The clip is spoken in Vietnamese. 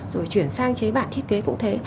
rồi chuyển sang chế bản thiết kế cũng thế